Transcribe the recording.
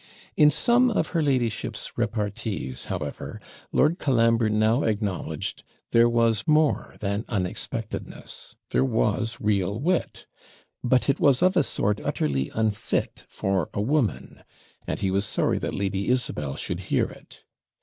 In some of her ladyship's repartees, however, Lord Colambre now acknowledged there was more than unexpectedness; there was real wit; but it was of a sort utterly unfit for a woman, and he was sorry that Lady Isabel should hear it.